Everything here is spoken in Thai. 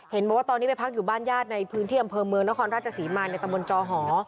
บอกว่าตอนนี้ไปพักอยู่บ้านญาติในพื้นที่อำเภอเมืองนครราชศรีมาในตำบลจอหอ